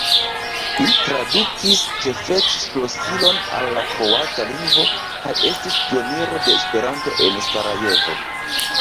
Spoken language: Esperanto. Li tradukis Ĉefeĉ-ŝlosilon al la kroata lingvo kaj estis pioniro de Esperanto en Sarajevo.